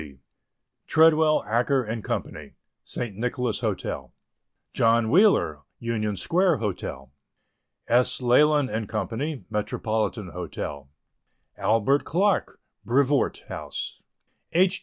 D., Treadwell, Acker & Co., St. Nicholas Hotel, John Wheeler, Union Square Hotel, S. Leland & Co., Metropolitan Hotel, Albert Clark, Brevoort House, H.